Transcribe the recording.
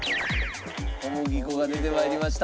小麦粉が出て参りました。